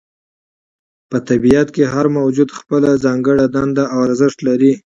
په طبیعت کې هر موجود خپله ځانګړې دنده او ارزښت لري.